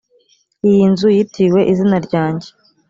iyi nzu yitiriwe izina ryanjye